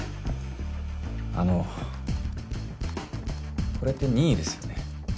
あのこれって任意ですよね？